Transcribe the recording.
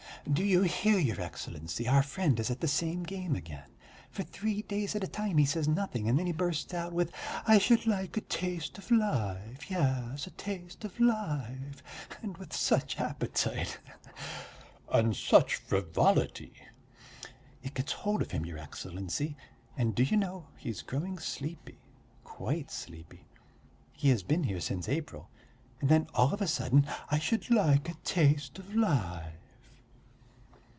"Do you hear, your Excellency, our friend is at the same game again. For three days at a time he says nothing, and then he bursts out with 'I should like a taste of life, yes, a taste of life!' And with such appetite, he he!" "And such frivolity." "It gets hold of him, your Excellency, and do you know, he is growing sleepy, quite sleepy he has been here since April; and then all of a sudden 'I should like a taste of life!'"